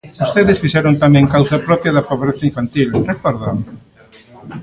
Vostedes fixeron tamén causa propia da pobreza infantil, ¿recórdao?